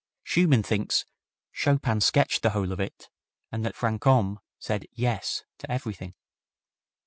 Schumann thinks "Chopin sketched the whole of it, and that Franchomme said 'Yes' to everything."